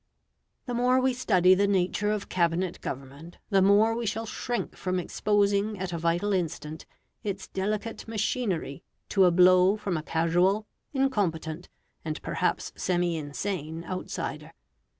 The more we study the nature of Cabinet government, the more we shall shrink from exposing at a vital instant its delicate machinery to a blow from a casual, incompetent, and perhaps semi insane outsider.